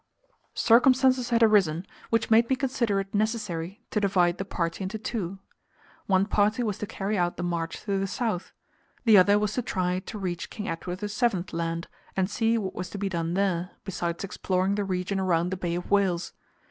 Circumstances had arisen which made me consider it necessary to divide the party into two. One party was to carry out the march to the south; the other was to try to reach King Edward VII. Land, and see what was to be done there, besides exploring the region around the Bay of Whales.